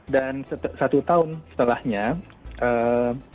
dan satu tahun setelahnya ee